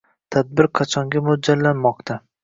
Tadbir qachonga mo'ljallanmoqda?